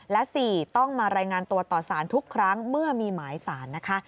และ๔ต้องมารายงานตัวต่อสารทุกครั้งเมื่อมีหมายสารนะคะ